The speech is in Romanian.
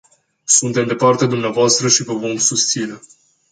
Suntem de partea dumneavoastră și vă vom susține.